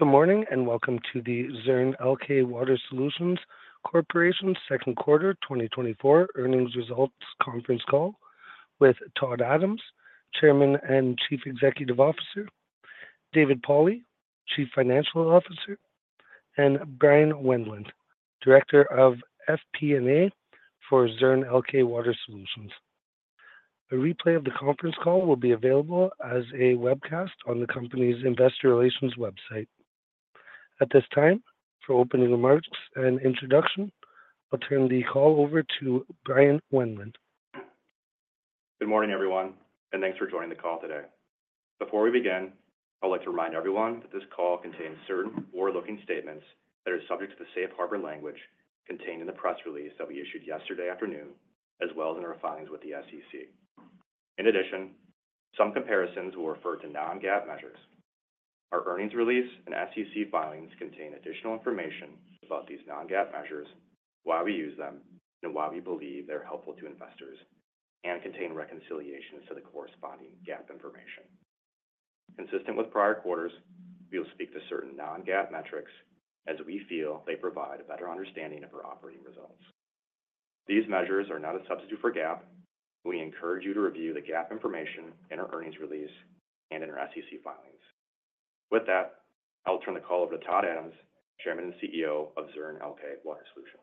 Good morning and welcome to the Zurn Elkay Water Solutions Corporation's second quarter 2024 earnings results conference call with Todd Adams, Chairman and Chief Executive Officer, David Pauli, Chief Financial Officer, and Bryan Wendlandt, Director of FP&A for Zurn Elkay Water Solutions. A replay of the conference call will be available as a webcast on the company's investor relations website. At this time, for opening remarks and introduction, I'll turn the call over to Bryan Wendlandt. Good morning, everyone, and thanks for joining the call today. Before we begin, I'd like to remind everyone that this call contains certain forward-looking statements that are subject to the safe harbor language contained in the press release that we issued yesterday afternoon, as well as in our filings with the SEC. In addition, some comparisons will refer to non-GAAP measures. Our earnings release and SEC filings contain additional information about these non-GAAP measures, why we use them, and why we believe they're helpful to investors, and contain reconciliations to the corresponding GAAP information. Consistent with prior quarters, we will speak to certain non-GAAP metrics as we feel they provide a better understanding of our operating results. These measures are not a substitute for GAAP. We encourage you to review the GAAP information in our earnings release and in our SEC filings. With that, I'll turn the call over to Todd Adams, Chairman and CEO of Zurn Elkay Water Solutions.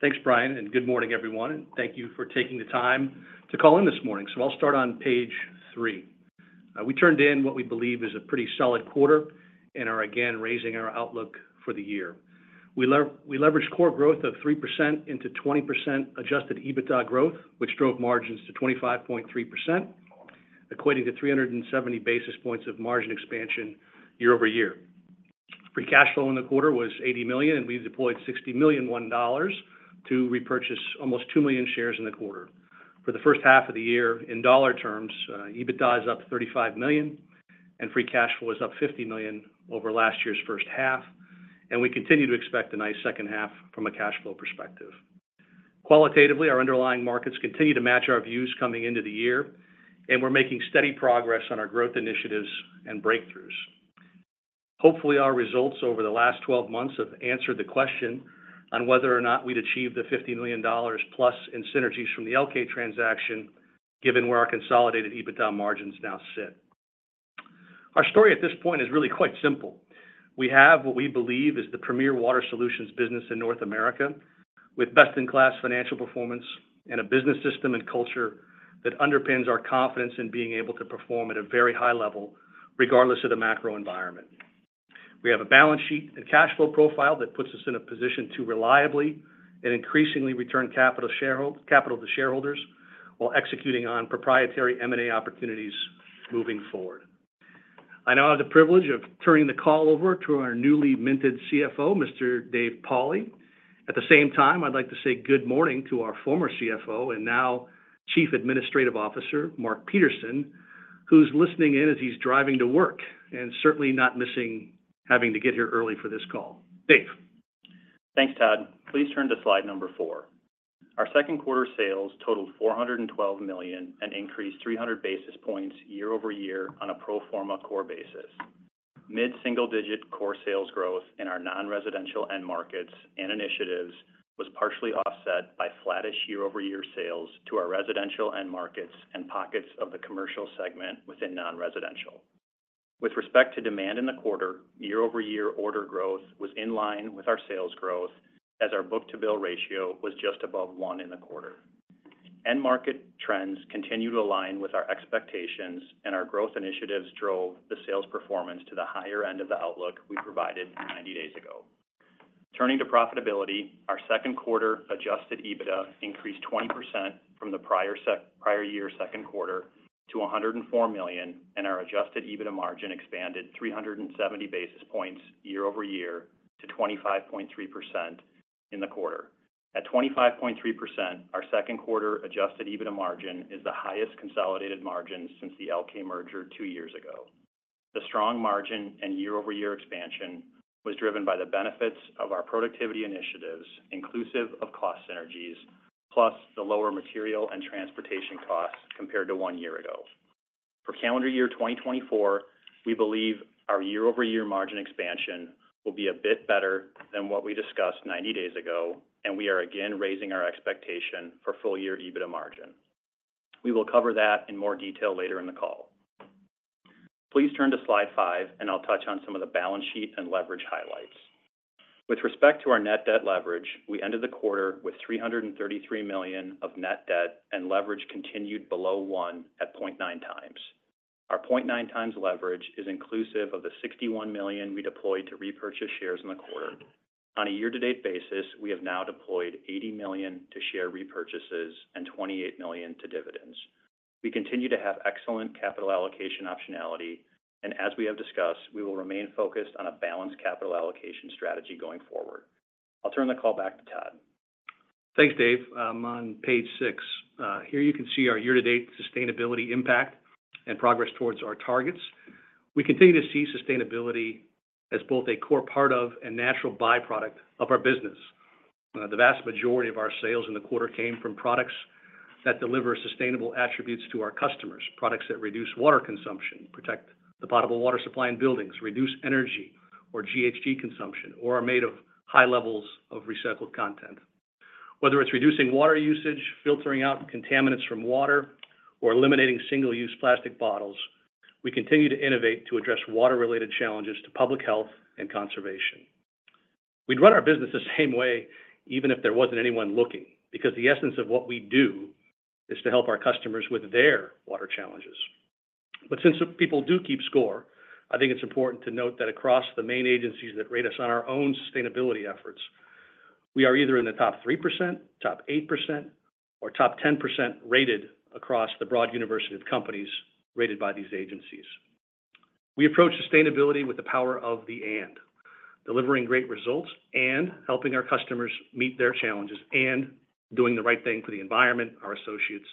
Thanks, Bryan, and good morning, everyone. Thank you for taking the time to call in this morning. I'll start on page three. We turned in what we believe is a pretty solid quarter and are again raising our outlook for the year. We leveraged core growth of 3% into 20% adjusted EBITDA growth, which drove margins to 25.3%, equating to 370 basis points of margin expansion year-over-year. Free cash flow in the quarter was $80 million, and we deployed $61 million to repurchase almost 2 million shares in the quarter. For the first half of the year, in dollar terms, EBITDA is up $35 million, and free cash flow is up $50 million over last year's first half. We continue to expect a nice second half from a cash flow perspective. Qualitatively, our underlying markets continue to match our views coming into the year, and we're making steady progress on our growth initiatives and breakthroughs. Hopefully, our results over the last 12 months have answered the question on whether or not we'd achieve the $50 million+ in synergies from the Elkay transaction, given where our consolidated EBITDA margins now sit. Our story at this point is really quite simple. We have what we believe is the premier water solutions business in North America, with best-in-class financial performance and a business system and culture that underpins our confidence in being able to perform at a very high level, regardless of the macro environment. We have a balance sheet and cash flow profile that puts us in a position to reliably and increasingly return capital to shareholders while executing on proprietary M&A opportunities moving forward. I now have the privilege of turning the call over to our newly minted CFO, Mr. Dave Pauli. At the same time, I'd like to say good morning to our former CFO and now Chief Administrative Officer, Mark Peterson, who's listening in as he's driving to work and certainly not missing having to get here early for this call. Dave. Thanks, Todd. Please turn to slide number four. Our second quarter sales totaled $412 million and increased 300 basis points year-over-year on a pro forma core basis. Mid-single-digit core sales growth in our non-residential end markets and initiatives was partially offset by flattish year-over-year sales to our residential end markets and pockets of the commercial segment within non-residential. With respect to demand in the quarter, year-over-year order growth was in line with our sales growth as our book-to-bill ratio was just above one in the quarter. End market trends continue to align with our expectations, and our growth initiatives drove the sales performance to the higher end of the outlook we provided 90 days ago. Turning to profitability, our second quarter adjusted EBITDA increased 20% from the prior year's second quarter to $104 million, and our adjusted EBITDA margin expanded 370 basis points year-over-year to 25.3% in the quarter. At 25.3%, our second quarter adjusted EBITDA margin is the highest consolidated margin since the Elkay merger two years ago. The strong margin and year-over-year expansion was driven by the benefits of our productivity initiatives, inclusive of cost synergies, plus the lower material and transportation costs compared to one year ago. For calendar year 2024, we believe our year-over-year margin expansion will be a bit better than what we discussed 90 days ago, and we are again raising our expectation for full-year EBITDA margin. We will cover that in more detail later in the call. Please turn to slide five, and I'll touch on some of the balance sheet and leverage highlights. With respect to our net debt leverage, we ended the quarter with $333 million of net debt, and leverage continued below 1 at 0.9x. Our 0.9x leverage is inclusive of the $61 million we deployed to repurchase shares in the quarter. On a year-to-date basis, we have now deployed $80 million to share repurchases and $28 million to dividends. We continue to have excellent capital allocation optionality, and as we have discussed, we will remain focused on a balanced capital allocation strategy going forward. I'll turn the call back to Todd. Thanks, Dave. I'm on page six. Here you can see our year-to-date sustainability impact and progress towards our targets. We continue to see sustainability as both a core part of and natural byproduct of our business. The vast majority of our sales in the quarter came from products that deliver sustainable attributes to our customers, products that reduce water consumption, protect the potable water supply in buildings, reduce energy or GHG consumption, or are made of high levels of recycled content. Whether it's reducing water usage, filtering out contaminants from water, or eliminating single-use plastic bottles, we continue to innovate to address water-related challenges to public health and conservation. We'd run our business the same way even if there wasn't anyone looking, because the essence of what we do is to help our customers with their water challenges. But since people do keep score, I think it's important to note that across the main agencies that rate us on our own sustainability efforts, we are either in the top 3%, top 8%, or top 10% rated across the broad universe of companies rated by these agencies. We approach sustainability with the power of the and, delivering great results and helping our customers meet their challenges and doing the right thing for the environment, our associates,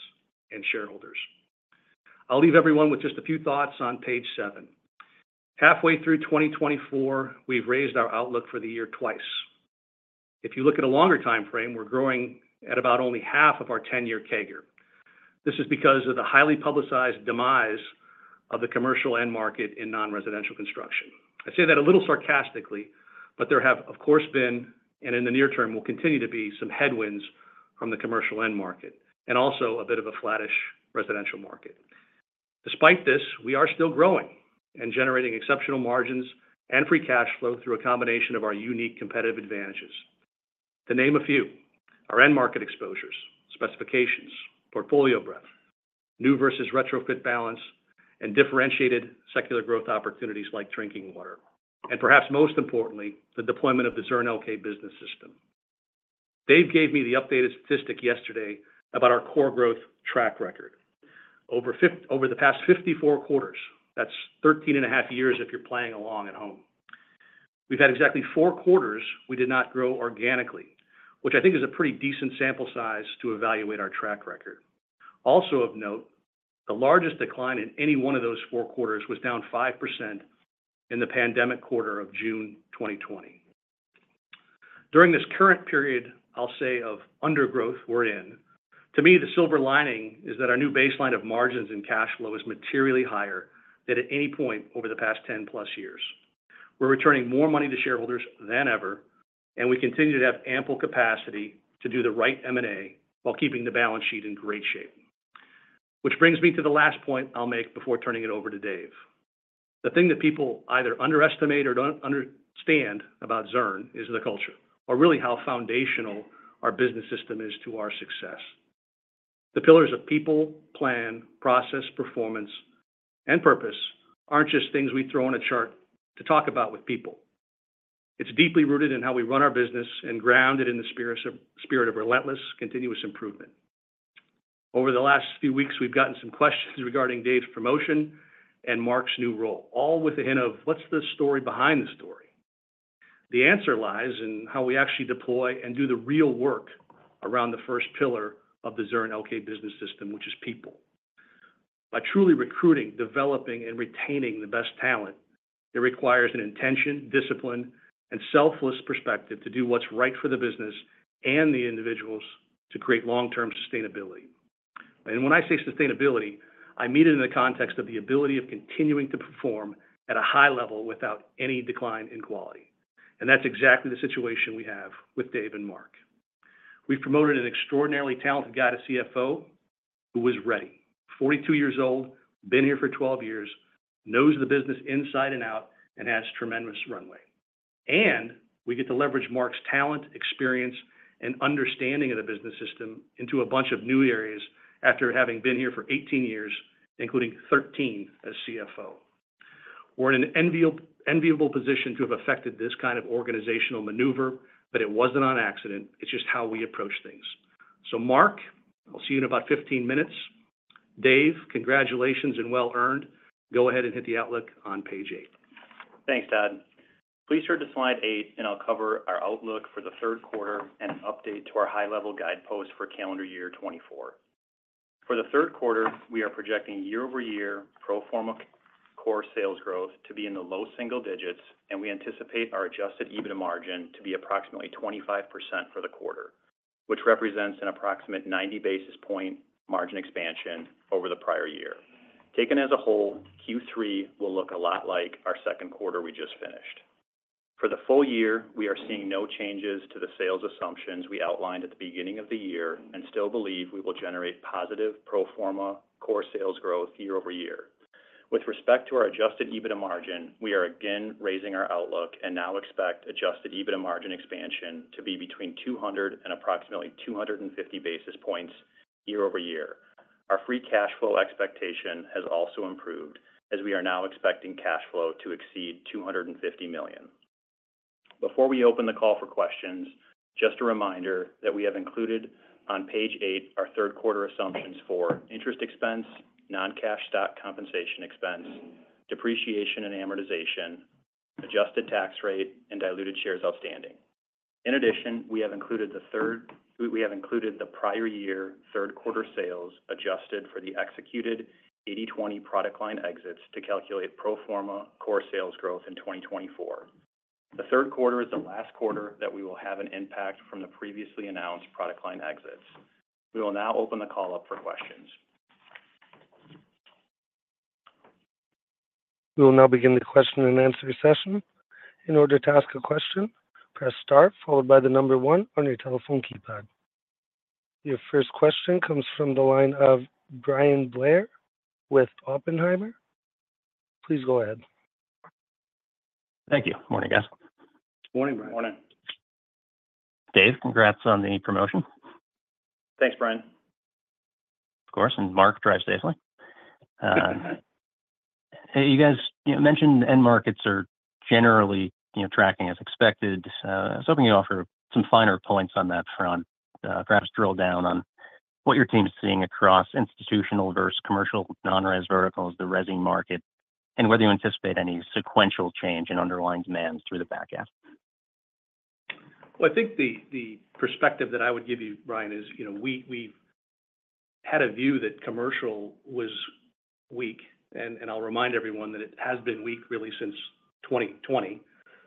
and shareholders. I'll leave everyone with just a few thoughts on page seven. Halfway through 2024, we've raised our outlook for the year twice. If you look at a longer time frame, we're growing at about only half of our 10-year CAGR. This is because of the highly publicized demise of the commercial end market in non-residential construction. I say that a little sarcastically, but there have, of course, been, and in the near term will continue to be, some headwinds from the commercial end market and also a bit of a flattish residential market. Despite this, we are still growing and generating exceptional margins and free cash flow through a combination of our unique competitive advantages. To name a few, our end market exposures, specifications, portfolio breadth, new versus retrofit balance, and differentiated secular growth opportunities like drinking water, and perhaps most importantly, the deployment of the Zurn Elkay Business System. Dave gave me the updated statistic yesterday about our core growth track record. Over the past 54 quarters, that's 13.5 years if you're playing along at home. We've had exactly four quarters we did not grow organically, which I think is a pretty decent sample size to evaluate our track record. Also of note, the largest decline in any one of those four quarters was down 5% in the pandemic quarter of June 2020. During this current period, I'll say, of undergrowth we're in, to me, the silver lining is that our new baseline of margins and cash flow is materially higher than at any point over the past 10-plus years. We're returning more money to shareholders than ever, and we continue to have ample capacity to do the right M&A while keeping the balance sheet in great shape. Which brings me to the last point I'll make before turning it over to Dave. The thing that people either underestimate or don't understand about Zurn is the culture, or really how foundational our business system is to our success. The pillars of people, plan, process, performance, and purpose aren't just things we throw on a chart to talk about with people. It's deeply rooted in how we run our business and grounded in the spirit of relentless continuous improvement. Over the last few weeks, we've gotten some questions regarding Dave's promotion and Mark's new role, all with a hint of what's the story behind the story. The answer lies in how we actually deploy and do the real work around the first pillar of the Zurn Elkay Business System, which is people. By truly recruiting, developing, and retaining the best talent, it requires an intention, discipline, and selfless perspective to do what's right for the business and the individuals to create long-term sustainability. And when I say sustainability, I mean it in the context of the ability of continuing to perform at a high level without any decline in quality. And that's exactly the situation we have with Dave and Mark. We've promoted an extraordinarily talented guy to CFO who was ready, 42 years old, been here for 12 years, knows the business inside and out, and has tremendous runway. We get to leverage Mark's talent, experience, and understanding of the business system into a bunch of new areas after having been here for 18 years, including 13 as CFO. We're in an enviable position to have effected this kind of organizational maneuver, but it wasn't on accident. It's just how we approach things. So Mark, I'll see you in about 15 minutes. Dave, congratulations and well earned. Go ahead and hit the outlook on page eight. Thanks, Todd. Please turn to slide eight, and I'll cover our outlook for the third quarter and an update to our high-level guidepost for calendar year 2024. For the third quarter, we are projecting year-over-year pro forma core sales growth to be in the low single digits, and we anticipate our adjusted EBITDA margin to be approximately 25% for the quarter, which represents an approximate 90 basis point margin expansion over the prior year. Taken as a whole, Q3 will look a lot like our second quarter we just finished. For the full year, we are seeing no changes to the sales assumptions we outlined at the beginning of the year and still believe we will generate positive pro forma core sales growth year-over-year. With respect to our Adjusted EBITDA margin, we are again raising our outlook and now expect Adjusted EBITDA margin expansion to be between 200 and approximately 250 basis points year-over-year. Our free cash flow expectation has also improved as we are now expecting cash flow to exceed $250 million. Before we open the call for questions, just a reminder that we have included on page eight our third quarter assumptions for interest expense, non-cash stock compensation expense, depreciation and amortization, adjusted tax rate, and diluted shares outstanding. In addition, we have included the prior year third quarter sales adjusted for the executed 80/20 product line exits to calculate pro forma core sales growth in 2024. The third quarter is the last quarter that we will have an impact from the previously announced product line exits. We will now open the call up for questions. We will now begin the question-and-answer session. In order to ask a question, press star, followed by the number one on your telephone keypad. Your first question comes from the line of Bryan Blair with Oppenheimer. Please go ahead. Thank you. Good morning, guys. Good morning, Bryan. Good morning. Dave, congrats on the promotion. Thanks, Bryan. Of course. Mark, drive safely. You guys mentioned end markets are generally tracking as expected. I was hoping you'd offer some finer points on that front, perhaps drill down on what your team is seeing across institutional versus commercial non-res verticals, the resi market, and whether you anticipate any sequential change in underlying demand through the back half? Well, I think the perspective that I would give you, Bryan, is we've had a view that commercial was weak, and I'll remind everyone that it has been weak really since 2020.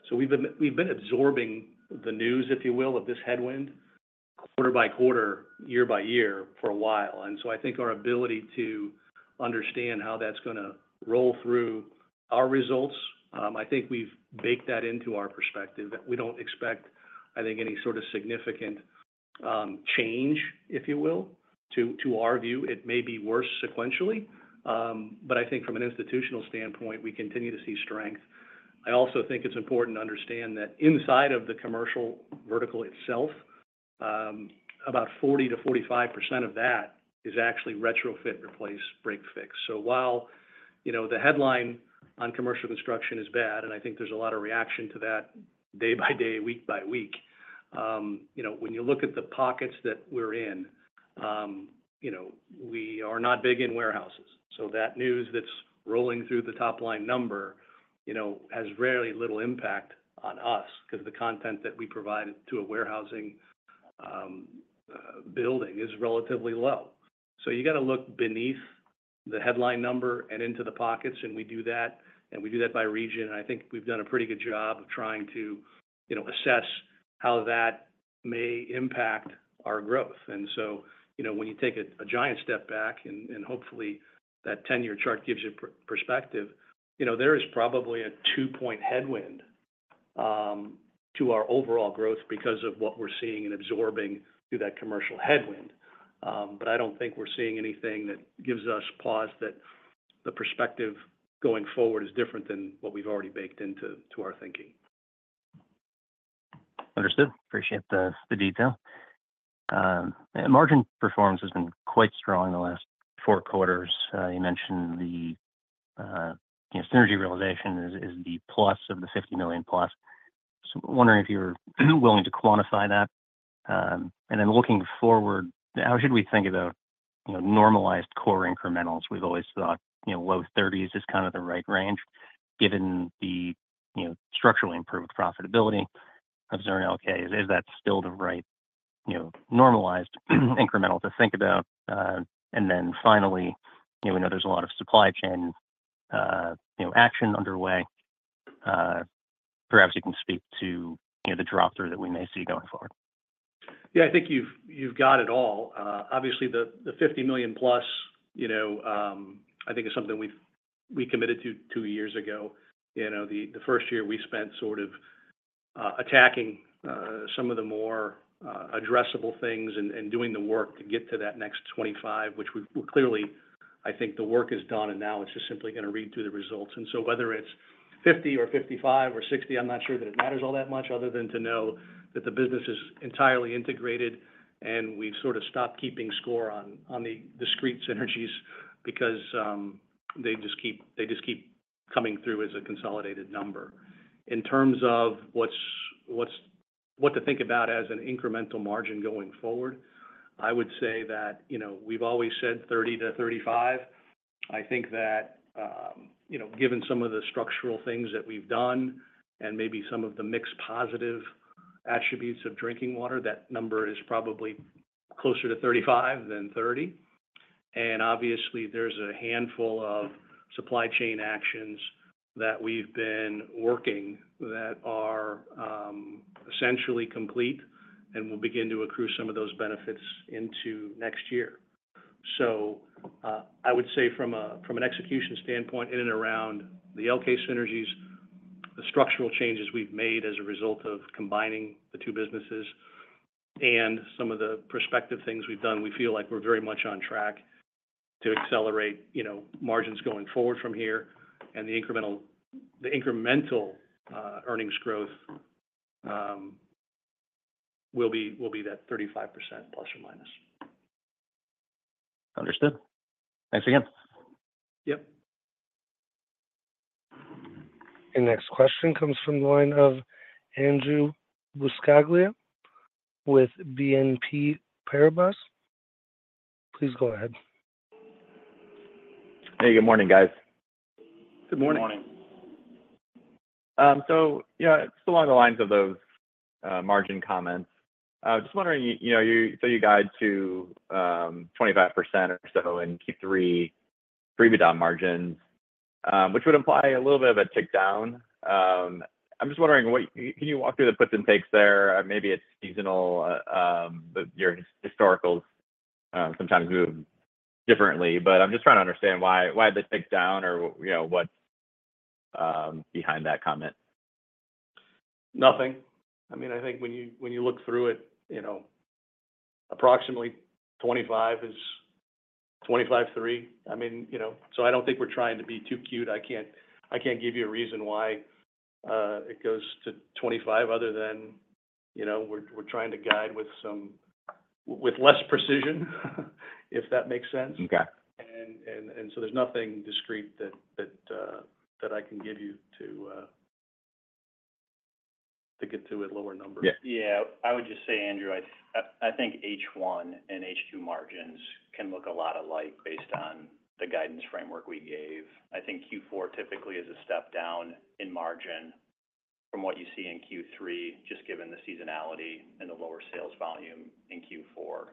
So we've been absorbing the news, if you will, of this headwind quarter by quarter, year by year for a while. And so I think our ability to understand how that's going to roll through our results, I think we've baked that into our perspective. We don't expect, I think, any sort of significant change, if you will, to our view. It may be worse sequentially, but I think from an institutional standpoint, we continue to see strength. I also think it's important to understand that inside of the commercial vertical itself, about 40%-45% of that is actually retrofit, replace, break-fix. So while the headline on commercial construction is bad, and I think there's a lot of reaction to that day by day, week by week, when you look at the pockets that we're in, we are not big in warehouses. So that news that's rolling through the top line number has very little impact on us because the content that we provide to a warehousing building is relatively low. So you got to look beneath the headline number and into the pockets, and we do that, and we do that by region. And I think we've done a pretty good job of trying to assess how that may impact our growth. And so when you take a giant step back, and hopefully that 10-year chart gives you perspective, there is probably a two-point headwind to our overall growth because of what we're seeing and absorbing through that commercial headwind. I don't think we're seeing anything that gives us pause that the perspective going forward is different than what we've already baked into our thinking. Understood. Appreciate the detail. Margin performance has been quite strong in the last four quarters. You mentioned the synergy realization is the plus of the $50 million+. So wondering if you were willing to quantify that. And then looking forward, how should we think about normalized core incrementals? We've always thought low 30s is kind of the right range given the structurally improved profitability of Zurn Elkay. Is that still the right normalized incremental to think about? And then finally, we know there's a lot of supply chain action underway. Perhaps you can speak to the drop-through that we may see going forward. Yeah, I think you've got it all. Obviously, the $50 million+, I think, is something we committed to two years ago. The first year we spent sort of attacking some of the more addressable things and doing the work to get to that next $25 million, which clearly, I think the work is done, and now it's just simply going to read through the results. And so whether it's $50 million or $55 million or $60 million, I'm not sure that it matters all that much other than to know that the business is entirely integrated, and we've sort of stopped keeping score on the discrete synergies because they just keep coming through as a consolidated number. In terms of what to think about as an incremental margin going forward, I would say that we've always said 30%-35%. I think that given some of the structural things that we've done and maybe some of the mixed positive attributes of drinking water, that number is probably closer to 35 than 30. Obviously, there's a handful of supply chain actions that we've been working that are essentially complete and will begin to accrue some of those benefits into next year. I would say from an execution standpoint, in and around the Elkay synergies, the structural changes we've made as a result of combining the two businesses and some of the prospective things we've done, we feel like we're very much on track to accelerate margins going forward from here, and the incremental earnings growth will be that 35% ±. Understood. Thanks again. Yep. Next question comes from the line of Andrew Buscaglia with BNP Paribas. Please go ahead. Hey, good morning, guys. Good morning. Good morning. So yeah, it's along the lines of those margin comments. Just wondering, you said you guide to 25% or so in Q3 EBITDA margins, which would imply a little bit of a tick down. I'm just wondering, can you walk through the puts and takes there? Maybe it's seasonal, but your historicals sometimes move differently. But I'm just trying to understand why the tick down or what's behind that comment? Nothing. I mean, I think when you look through it, approximately 25% is 25.3%. I mean, so I don't think we're trying to be too cute. I can't give you a reason why it goes to 25% other than we're trying to guide with less precision, if that makes sense. And so there's nothing discrete that I can give you to get to a lower number. Yeah. I would just say, Andrew, I think H1 and H2 margins can look a lot alike based on the guidance framework we gave. I think Q4 typically is a step down in margin from what you see in Q3, just given the seasonality and the lower sales volume in Q4.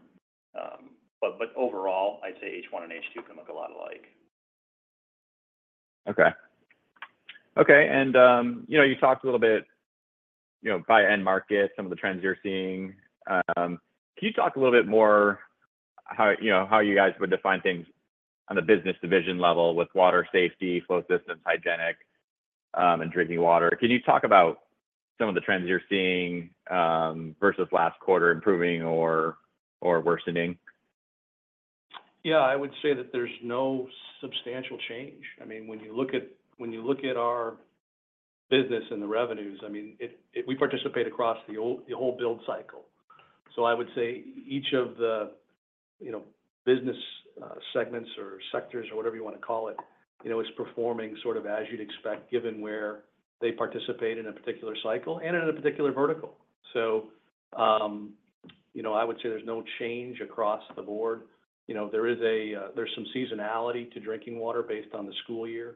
But overall, I'd say H1 and H2 can look a lot alike. Okay. Okay. And you talked a little bit by end market, some of the trends you're seeing. Can you talk a little bit more how you guys would define things on the business division level with Water Safety, Flow Systems, Hygienic, and Drinking Water? Can you talk about some of the trends you're seeing versus last quarter improving or worsening? Yeah. I would say that there's no substantial change. I mean, when you look at our business and the revenues, I mean, we participate across the whole build cycle. So I would say each of the business segments or sectors or whatever you want to call it is performing sort of as you'd expect, given where they participate in a particular cycle and in a particular vertical. So I would say there's no change across the board. There's some seasonality to drinking water based on the school year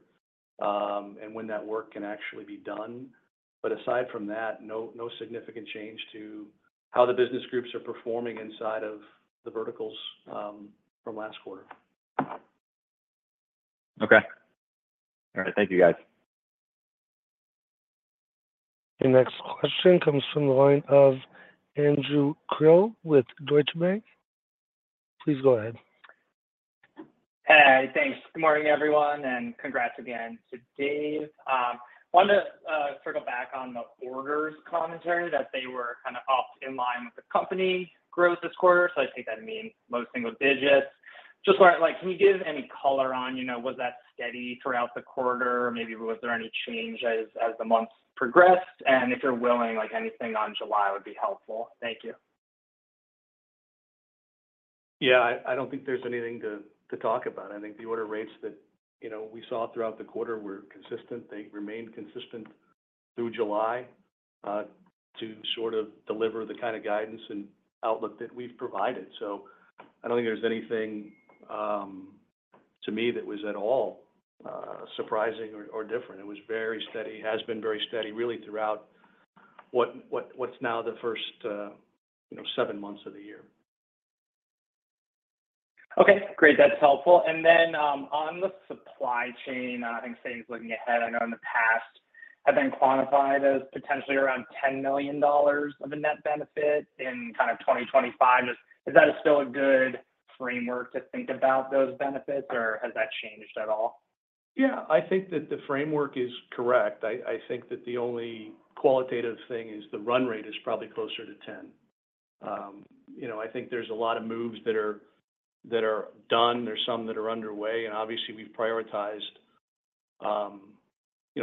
and when that work can actually be done. But aside from that, no significant change to how the business groups are performing inside of the verticals from last quarter. Okay. All right. Thank you, guys. Next question comes from the line of Andrew Krill with Deutsche Bank. Please go ahead. Hey, thanks. Good morning, everyone, and congrats again to Dave. I wanted to circle back on the orders commentary that they were kind of in line with the company growth this quarter. So I think that means low single digits. Just can you give any color on was that steady throughout the quarter? Maybe was there any change as the months progressed? And if you're willing, anything on July would be helpful. Thank you. Yeah. I don't think there's anything to talk about. I think the order rates that we saw throughout the quarter were consistent. They remained consistent through July, to sort of deliver the kind of guidance and outlook that we've provided. So I don't think there's anything to me that was at all surprising or different. It was very steady, has been very steady really throughout what's now the first seven months of the year. Okay. Great. That's helpful. And then on the supply chain, I think staying looking ahead, I know in the past have been quantified as potentially around $10 million of a net benefit in kind of 2025. Is that still a good framework to think about those benefits, or has that changed at all? Yeah. I think that the framework is correct. I think that the only qualitative thing is the run rate is probably closer to $10 million. I think there's a lot of moves that are done. There's some that are underway. And obviously, we've prioritized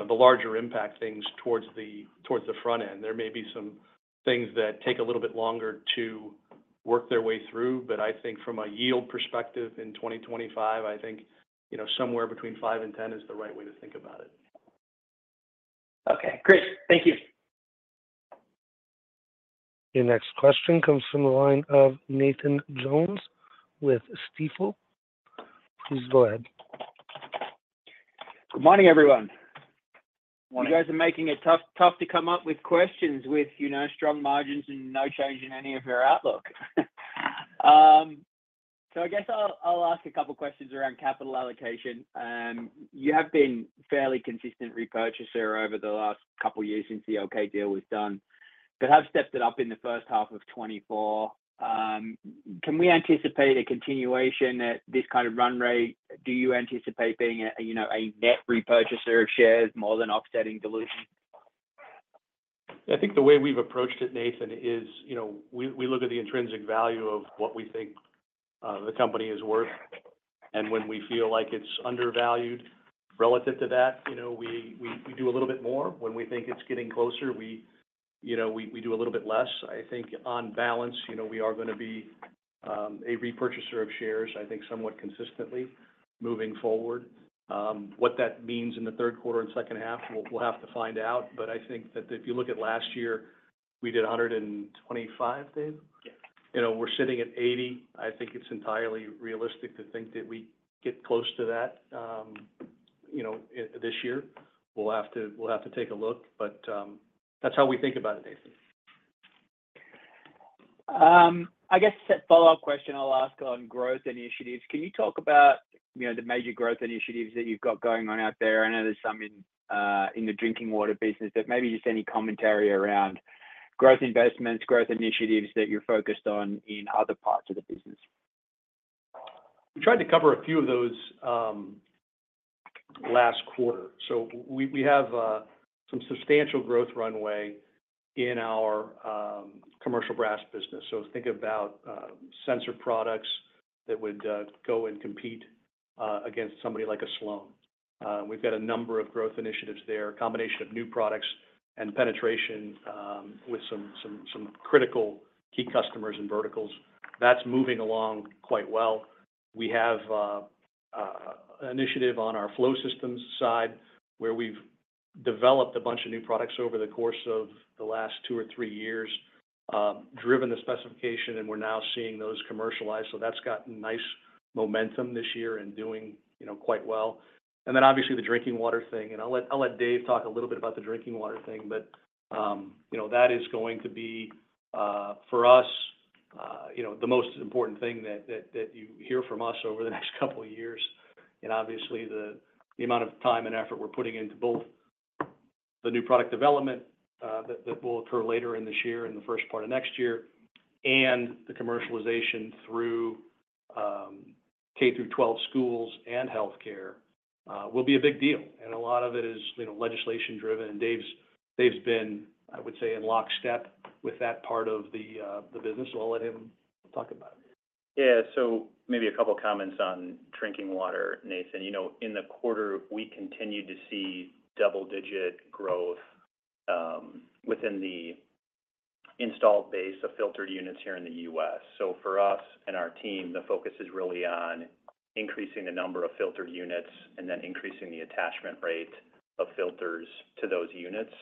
the larger impact things towards the front end. There may be some things that take a little bit longer to work their way through, but I think from a yield perspective in 2025, I think somewhere between $5 million and $10 million is the right way to think about it. Okay. Great. Thank you. Next question comes from the line of Nathan Jones with Stifel. Please go ahead. Good morning, everyone. You guys are making it tough to come up with questions with strong margins and no change in any of your outlook. So I guess I'll ask a couple of questions around capital allocation. You have been a fairly consistent repurchaser over the last couple of years since the Elkay deal was done, but have stepped it up in the first half of 2024. Can we anticipate a continuation at this kind of run rate? Do you anticipate being a net repurchaser of shares more than offsetting dilution? I think the way we've approached it, Nathan, is we look at the intrinsic value of what we think the company is worth. And when we feel like it's undervalued relative to that, we do a little bit more. When we think it's getting closer, we do a little bit less. I think on balance, we are going to be a repurchaser of shares, I think, somewhat consistently moving forward. What that means in the third quarter and second half, we'll have to find out. But I think that if you look at last year, we did $125 million, Dave. We're sitting at $80 million. I think it's entirely realistic to think that we get close to that this year. We'll have to take a look, but that's how we think about it, Nathan. I guess a follow-up question I'll ask on growth initiatives. Can you talk about the major growth initiatives that you've got going on out there? I know there's some in the drinking water business, but maybe just any commentary around growth investments, growth initiatives that you're focused on in other parts of the business. We tried to cover a few of those last quarter. We have some substantial growth runway in our commercial brass business. Think about sensor products that would go and compete against somebody like a Sloan. We've got a number of growth initiatives there, a combination of new products and penetration with some critical key customers and verticals. That's moving along quite well. We have an initiative on our flow systems side where we've developed a bunch of new products over the course of the last two or three years, driven the specification, and we're now seeing those commercialized. That's gotten nice momentum this year and doing quite well. And then obviously the drinking water thing, and I'll let Dave talk a little bit about the drinking water thing, but that is going to be, for us, the most important thing that you hear from us over the next couple of years. And obviously, the amount of time and effort we're putting into both the new product development that will occur later in this year and the first part of next year, and the commercialization through K-12 schools and healthcare will be a big deal. And a lot of it is legislation driven. And Dave's been, I would say, in lockstep with that part of the business. So I'll let him talk about it. Yeah. So maybe a couple of comments on drinking water, Nathan. In the quarter, we continued to see double-digit growth within the installed base of filtered units here in the U.S. So for us and our team, the focus is really on increasing the number of filtered units and then increasing the attachment rate of filters to those units.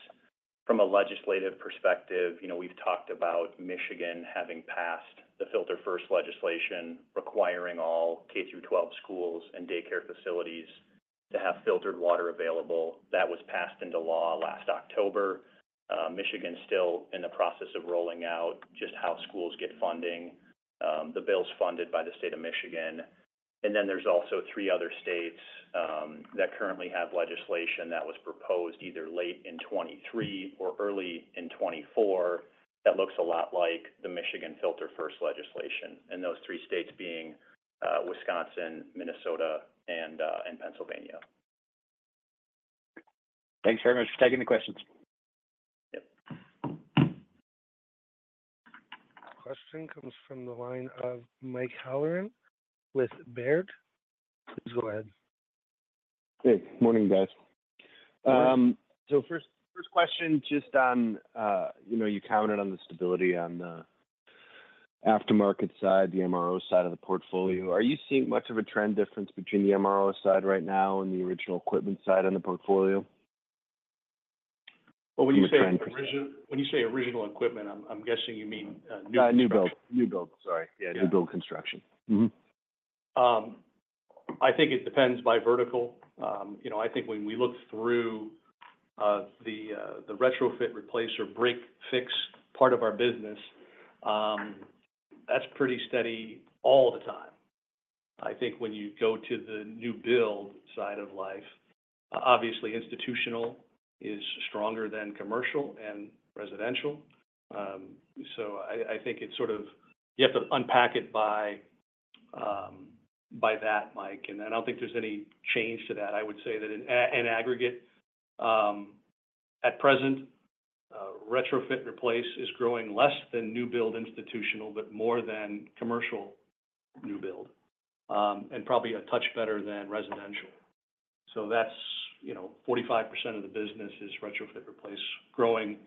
From a legislative perspective, we've talked about Michigan having passed the Filter First legislation requiring all K-12 schools and daycare facilities to have filtered water available. That was passed into law last October. Michigan's still in the process of rolling out just how schools get funding. The bill's funded by the state of Michigan. And then there's also three other states that currently have legislation that was proposed either late in 2023 or early in 2024 that looks a lot like the Michigan Filter First legislation, and those three states being Wisconsin, Minnesota, and Pennsylvania. Thanks very much for taking the questions. Yep. Question comes from the line of Mike Halloran with Baird. Please go ahead. Good morning, guys. First question, just on you commented on the stability on the aftermarket side, the MRO side of the portfolio. Are you seeing much of a trend difference between the MRO side right now and the original equipment side on the portfolio? Well, when you say original equipment, I'm guessing you mean new build. Sorry. Yeah. New build construction. I think it depends by vertical. I think when we look through the retrofit, replace, or break-fix part of our business, that's pretty steady all the time. I think when you go to the new build side of life, obviously, institutional is stronger than commercial and residential. So I think it's sort of you have to unpack it by that, Mike. And I don't think there's any change to that. I would say that in aggregate, at present, retrofit, replace is growing less than new build institutional, but more than commercial new build, and probably a touch better than residential. So that's 45% of the business is retrofit, replace, growing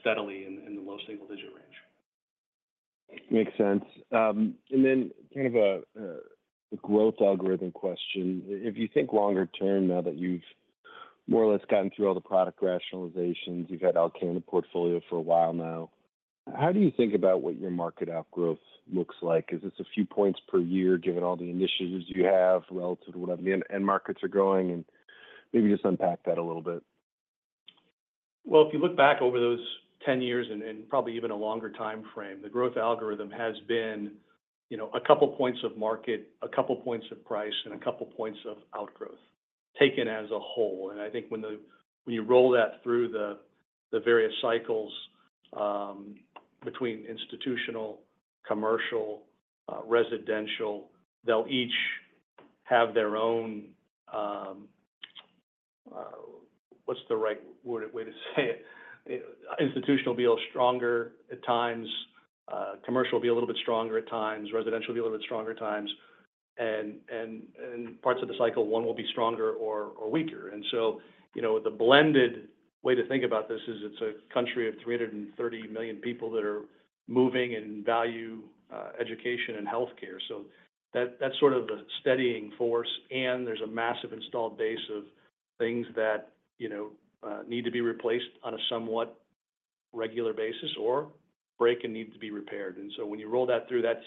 steadily in the low single-digit range. Makes sense. Then kind of a growth algorithm question. If you think longer term, now that you've more or less gotten through all the product rationalizations, you've had all kind of portfolio for a while now, how do you think about what your market outgrowth looks like? Is this a few points per year given all the initiatives you have relative to whatever the end markets are going? And maybe just unpack that a little bit. Well, if you look back over those 10 years and probably even a longer time frame, the growth algorithm has been a couple of points of market, a couple of points of price, and a couple of points of outgrowth taken as a whole. And I think when you roll that through the various cycles between institutional, commercial, residential, they'll each have their own (what's the right word to say it?) institutional be a little stronger at times, commercial be a little bit stronger at times, residential be a little bit stronger at times, and parts of the cycle, one will be stronger or weaker. And so the blended way to think about this is it's a country of 330 million people that are moving and value education and healthcare. So that's sort of the steadying force. There's a massive installed base of things that need to be replaced on a somewhat regular basis or break and need to be repaired. So when you roll that through, that's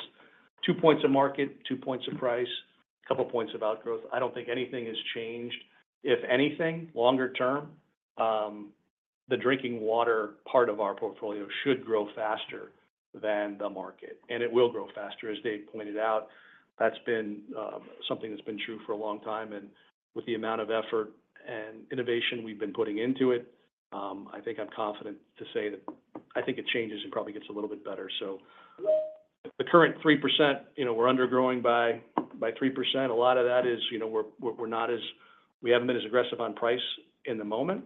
two points of market, two points of price, a couple of points of outgrowth. I don't think anything has changed. If anything, longer term, the drinking water part of our portfolio should grow faster than the market. And it will grow faster, as Dave pointed out. That's been something that's been true for a long time. And with the amount of effort and innovation we've been putting into it, I think I'm confident to say that I think it changes and probably gets a little bit better. So the current 3%, we're undergrowing by 3%. A lot of that is we haven't been as aggressive on price in the moment,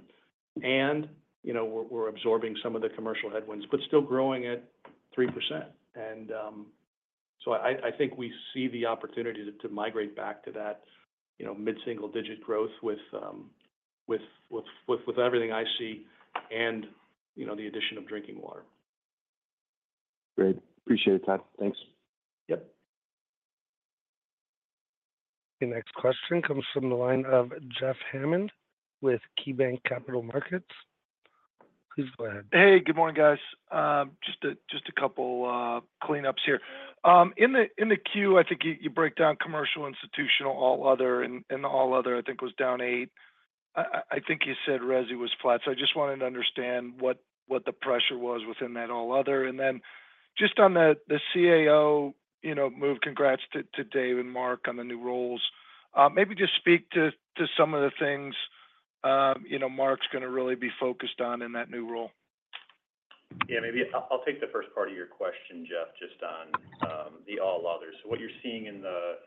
and we're absorbing some of the commercial headwinds, but still growing at 3%. And so I think we see the opportunity to migrate back to that mid-single-digit growth with everything I see and the addition of drinking water. Great. Appreciate it, Todd. Thanks. Yep. Next question comes from the line of Jeff Hammond with KeyBanc Capital Markets. Please go ahead. Hey, good morning, guys. Just a couple of cleanups here. In the queue, I think you break down commercial, institutional, all other, and all other, I think, was down eight. I think you said Resi was flat. So I just wanted to understand what the pressure was within that all other. And then just on the CAO move, congrats to Dave and Mark on the new roles. Maybe just speak to some of the things Mark's going to really be focused on in that new role. Yeah. Maybe I'll take the first part of your question, Jeff, just on the all others. So what you're seeing in the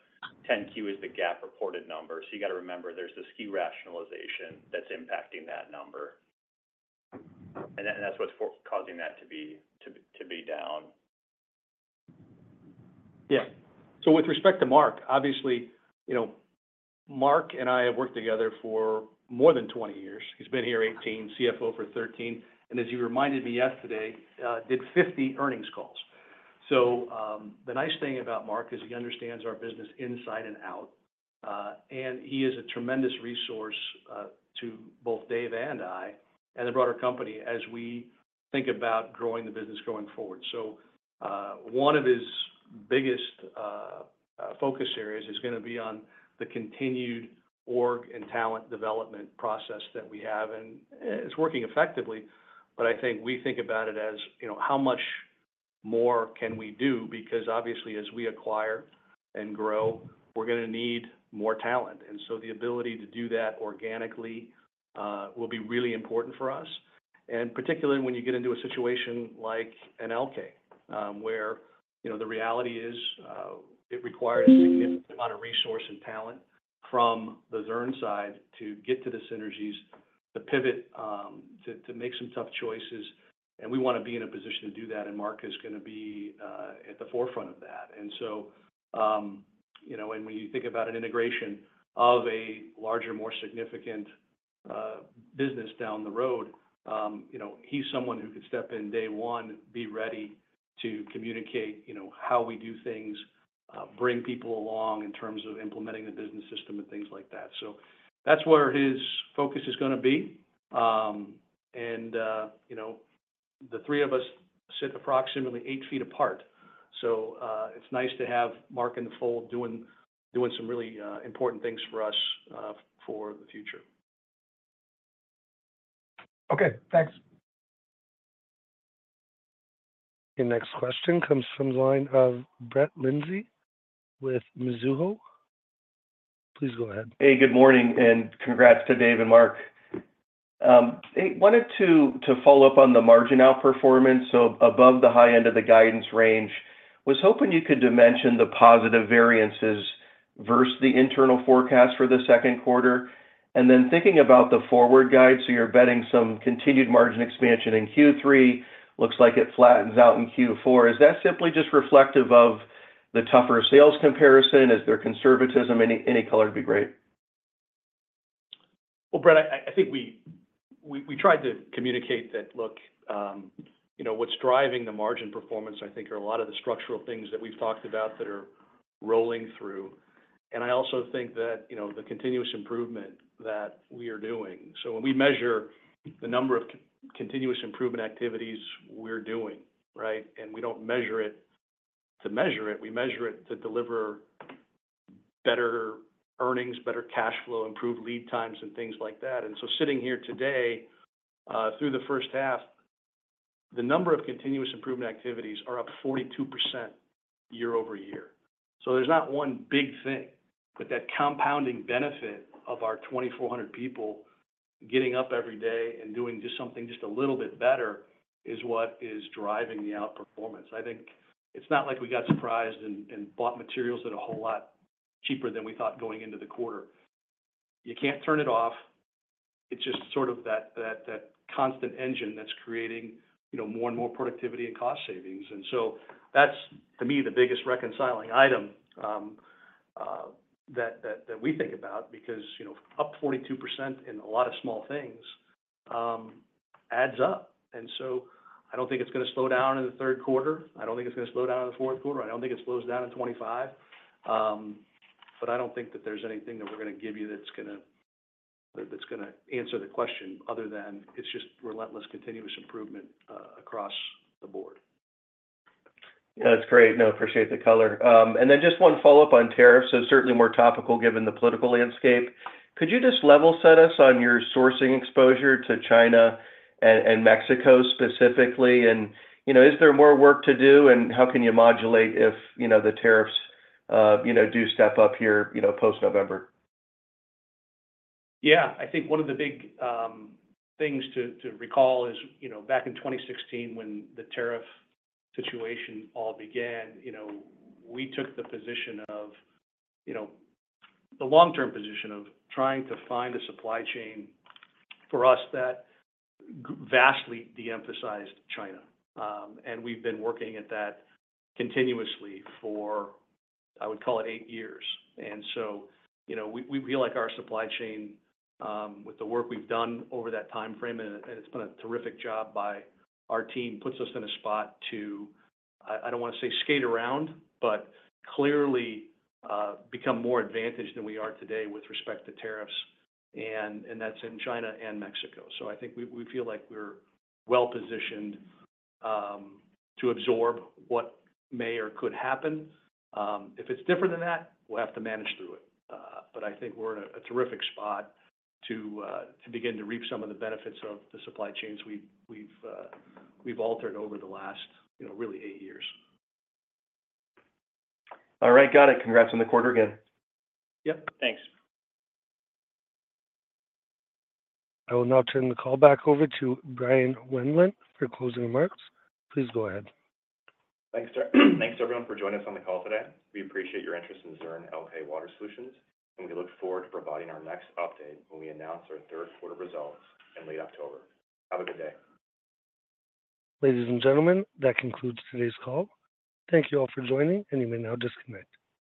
10Q is the gap reported number. So you got to remember there's this key rationalization that's impacting that number. And that's what's causing that to be down. Yeah. So with respect to Mark, obviously, Mark and I have worked together for more than 20 years. He's been here 18, CFO for 13. And as you reminded me yesterday, did 50 earnings calls. So the nice thing about Mark is he understands our business inside and out. And he is a tremendous resource to both Dave and I and the broader company as we think about growing the business going forward. So one of his biggest focus areas is going to be on the continued org and talent development process that we have. And it's working effectively, but I think we think about it as how much more can we do? Because obviously, as we acquire and grow, we're going to need more talent. And so the ability to do that organically will be really important for us. Particularly when you get into a situation like Elkay, where the reality is it requires a significant amount of resource and talent from the Zurn side to get to the synergies, to pivot, to make some tough choices. And we want to be in a position to do that. And Mark is going to be at the forefront of that. And so when you think about an integration of a larger, more significant business down the road, he's someone who could step in day one, be ready to communicate how we do things, bring people along in terms of implementing the business system and things like that. So that's where his focus is going to be. And the three of us sit approximately eight feet apart. So it's nice to have Mark in the fold doing some really important things for us for the future. Okay. Thanks. Next question comes from the line of Brett Linzey with Mizuho. Please go ahead. Hey, good morning. Congrats to Dave and Mark. Hey, wanted to follow up on the margin outperformance. Above the high end of the guidance range, was hoping you could dimension the positive variances versus the internal forecast for the second quarter. Thinking about the forward guide, so you're betting some continued margin expansion in Q3, looks like it flattens out in Q4. Is that simply just reflective of the tougher sales comparison? Is there conservatism? Any color would be great. Well, Brett, I think we tried to communicate that, look, what's driving the margin performance, I think, are a lot of the structural things that we've talked about that are rolling through. And I also think that the continuous improvement that we are doing. So when we measure the number of continuous improvement activities we're doing, right, and we don't measure it to measure it. We measure it to deliver better earnings, better cash flow, improved lead times, and things like that. And so sitting here today, through the first half, the number of continuous improvement activities are up 42% year-over-year. So there's not one big thing, but that compounding benefit of our 2,400 people getting up every day and doing just something just a little bit better is what is driving the outperformance. I think it's not like we got surprised and bought materials at a whole lot cheaper than we thought going into the quarter. You can't turn it off. It's just sort of that constant engine that's creating more and more productivity and cost savings. And so that's, to me, the biggest reconciling item that we think about because up 42% in a lot of small things adds up. And so I don't think it's going to slow down in the third quarter. I don't think it's going to slow down in the fourth quarter. I don't think it slows down in 2025. But I don't think that there's anything that we're going to give you that's going to answer the question other than it's just relentless continuous improvement across the board. Yeah. That's great. No, appreciate the color. And then just one follow-up on tariffs. So certainly more topical given the political landscape. Could you just level set us on your sourcing exposure to China and Mexico specifically? And is there more work to do? And how can you modulate if the tariffs do step up here post-November? Yeah. I think one of the big things to recall is back in 2016, when the tariff situation all began, we took the position of the long-term position of trying to find a supply chain for us that vastly de-emphasized China. And we've been working at that continuously for, I would call it, eight years. And so we feel like our supply chain, with the work we've done over that time frame, and it's been a terrific job by our team, puts us in a spot to, I don't want to say skate around, but clearly become more advantaged than we are today with respect to tariffs. And that's in China and Mexico. So I think we feel like we're well-positioned to absorb what may or could happen. If it's different than that, we'll have to manage through it. I think we're in a terrific spot to begin to reap some of the benefits of the supply chains we've altered over the last really eight years. All right. Got it. Congrats on the quarter again. Yep. Thanks. I will now turn the call back over to Bryan Wendlandt for closing remarks. Please go ahead. Thanks, sir. Thanks to everyone for joining us on the call today. We appreciate your interest in Zurn Elkay Water Solutions. We look forward to providing our next update when we announce our third-quarter results in late October. Have a good day. Ladies and gentlemen, that concludes today's call. Thank you all for joining, and you may now disconnect.